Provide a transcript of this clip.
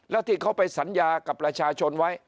แล้วที่เขาไปสัญญากับประชาชนไว้